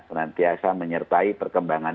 senantiasa menyertai perkembangan